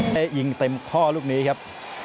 ได้ยิงเต็มข้อลูกนี้ครับ